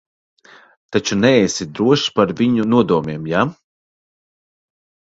Taču neesi drošs par viņu nodomiem, jā?